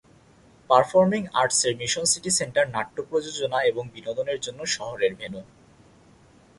Performing arts এর mission city centre নাট্য প্রযোজনা এবং বিনোদন জন্য শহরের ভেন্যু।